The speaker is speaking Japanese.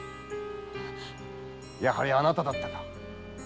やはりあなただったか！